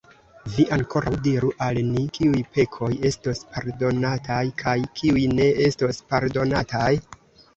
Vi ankoraŭ diru al ni: kiuj pekoj estos pardonataj kaj kiuj ne estos pardonataj?